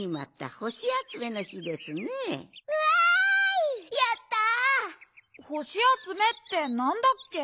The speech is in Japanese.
ほしあつめってなんだっけ？